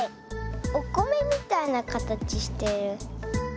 おこめみたいなかたちしてる。